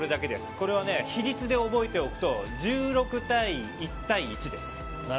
これは比率で覚えておくと１６：１：１です。